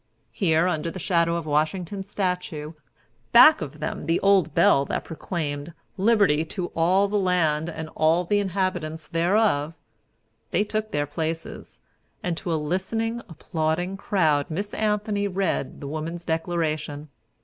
Here, under the shadow of Washington's statue, back of them the old bell that proclaimed "liberty to all the land and all the inhabitants thereof," they took their places, and, to a listening, applauding crowd, Miss Anthony read the Woman's Declaration.